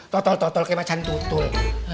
totol totol kayak macam tutul